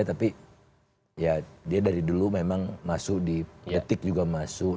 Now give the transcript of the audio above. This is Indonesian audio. tapi ya dia dari dulu memang masuk di detik juga masuk